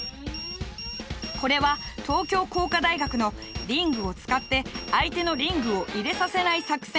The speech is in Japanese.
これは東京工科大学のリングを使って相手のリングを入れさせない作戦。